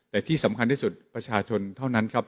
แต่ที่สำคัญที่สุดประชาชนเท่านั้นครับ